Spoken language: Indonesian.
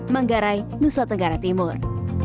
menggarai nusa tenggara timur